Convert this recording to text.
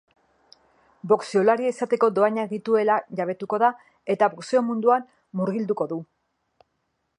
Boxeolari izateko dohainak dituela jabetuko da eta boxeo munduan murgilduko du.